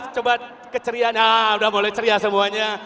coba kecerian ya udah mulai ceria semuanya